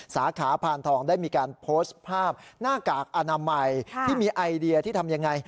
สาขาพานทองได้มีการโพสต์ภาพหน้ากากอนามัยที่มีไอเดียที่ทำยังไง